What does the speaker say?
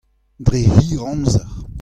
Dre hir amzer.